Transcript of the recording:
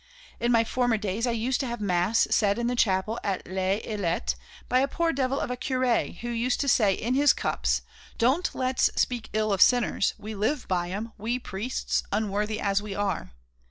In former days I used to have Mass said in the Chapel at Les Ilettes by a poor devil of a Curé who used to say in his cups: 'Don't let's speak ill of sinners; we live by 'em, we priests, unworthy as we are!'